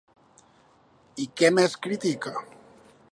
I què més critica?